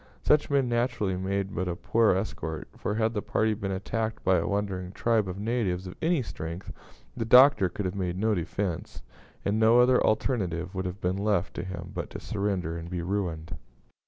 Such men naturally made but a poor escort; for, had the party been attacked by a wandering tribe of natives of any strength, the Doctor could have made no defence, and no other alternative would have been left to him but to surrender and be ruined.